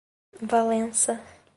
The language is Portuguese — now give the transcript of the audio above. Valença